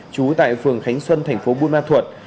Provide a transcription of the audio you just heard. chú tại phường khánh xuân thành phố bùi ma thuột